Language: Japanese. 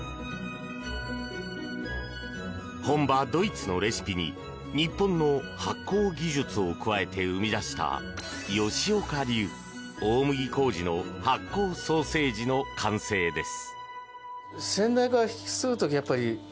本場ドイツのレシピに日本の発酵技術を加えて生み出した吉岡流大麦麹の発酵ソーセージの完成です。